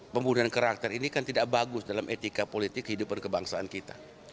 pembunuhan karakter ini kan tidak bagus dalam etika politik kehidupan kebangsaan kita